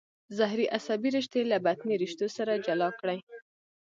ظهري عصبي رشتې له بطني رشتو سره جلا کړئ.